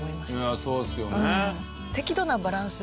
いやそうですよね。